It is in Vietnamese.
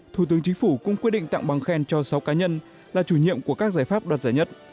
thủ tướng chính phủ cũng quyết định tặng bằng khen cho sáu cá nhân là chủ nhiệm của các giải pháp đoạt giải nhất